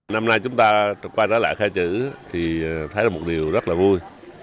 năm nay chúng ta quay trở lại khai chữ thì thấy là một điều rất là vui